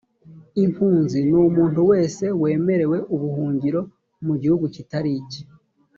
impunzi ni umuntu wese wemerewe ubuhungiro mu gihugu kitari icye.